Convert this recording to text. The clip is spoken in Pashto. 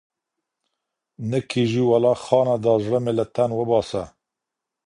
نه كيږي ولا خانه دا زړه مـي لـه تن وبــاسـه